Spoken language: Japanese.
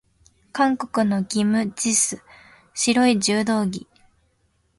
韓国のキム・ジス、白い柔道着。